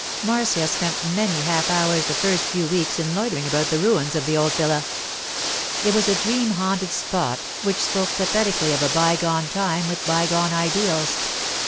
Marcia spent many half hours the first few weeks in loitering about the ruins of the old villa. It was a dream haunted spot which spoke pathetically of a bygone time with bygone ideals.